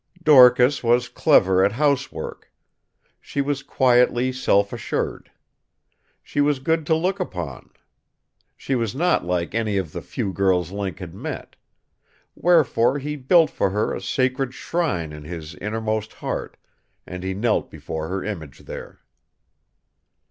Dorcas was clever at housework. She was quietly self assured. She was good to look upon. She was not like any of the few girls Link had met. Wherefore he built for her a sacred shrine in his innermost heart; and he knelt before her image there.